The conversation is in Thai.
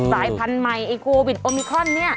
สายพันธุ์ใหม่ไอ้โควิดโอมิคอนเนี่ย